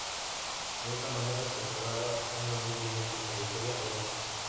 De esta manera se cerraba una muy brillante trayectoria olímpica.